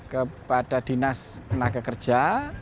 kepada dinas tenaga kerja